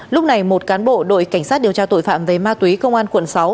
lúc này một cán bộ đội cảnh sát điều tra tội phạm về ma túy công an quận sáu